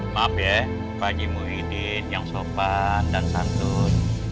maaf ya pakji muhyiddin yang sopan dan santun